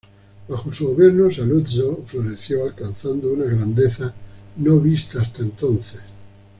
Bajo su gobierno Saluzzo floreció alcanzando una grandeza no visto hasta entonces.